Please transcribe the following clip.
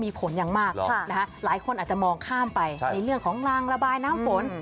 มีผลอย่างมากหลายคนอาจจะมองข้ามไปในเรื่องของรางระบายน้ำฝน